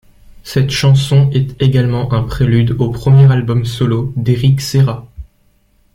Cette chanson est également un prélude au premier album solo d'Éric Serra.